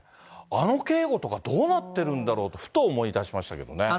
あの警護とかどうなっているんだろうと、ふと思い出しましたけどね。